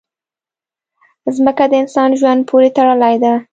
مځکه د انسان ژوند پورې تړلې ده.